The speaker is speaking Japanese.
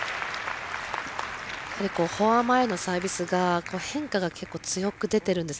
フォア前のサービスが変化が結構、強く出ているんです。